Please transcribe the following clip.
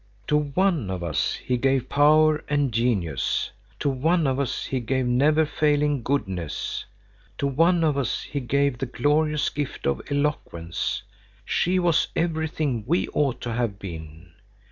"To one of us He gave power and genius. To one of us He gave never failing goodness. To one of us He gave the glorious gift of eloquence. She was everything we ought to have been.